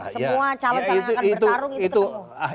semua calon calon akan bertarung